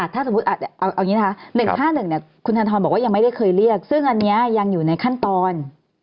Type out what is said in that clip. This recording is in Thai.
ถ้าสมมุติ๑๕๑คุณทันทรบอกว่ายังไม่เคยเรียกซึ่งอันนี้ยังอยู่ในขั้นตอน